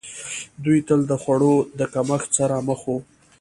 دوی تل د خوړو د کمښت سره مخ وو.